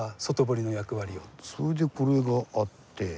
それでこれがあって。